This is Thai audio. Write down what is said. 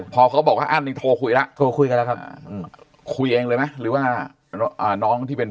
พอเขาบอกอันนี้โทรคุยแล้วคุยเองเลยไหมหรือว่าน้องที่เป็น